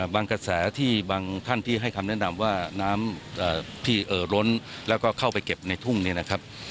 กระแสที่บางท่านที่ให้คำแนะนำว่าน้ำที่เอ่อล้นแล้วก็เข้าไปเก็บในทุ่งนี้นะครับ